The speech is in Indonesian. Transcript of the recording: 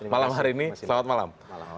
malam hari ini selamat malam